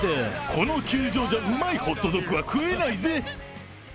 この球場じゃ、うまいホットドッグは食えないぜ。